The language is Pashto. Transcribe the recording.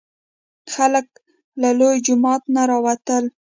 خلک له لوی جومات نه راوتل.